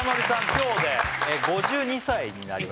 今日で５２歳になりました